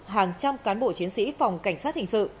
hàng trăm cán bộ chiến sĩ phòng cảnh sát hình sự